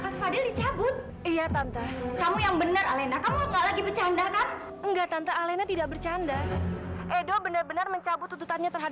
sampai jumpa di video selanjutnya